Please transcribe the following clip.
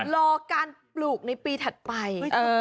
รอการปลูกในปีถัดไป